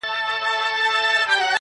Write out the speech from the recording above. o مساپري بده بلا ده٫